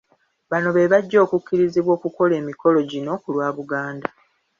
Bano be bajja okukkirizibwa okukola emikolo gino ku lwa Buganda.